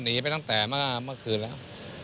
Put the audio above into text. หนีไปตั้งแต่เมื่อคืนแล้ว